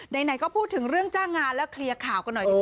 ไหนก็พูดถึงเรื่องจ้างงานแล้วเคลียร์ข่าวกันหน่อยดีกว่า